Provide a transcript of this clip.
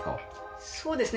そうですね。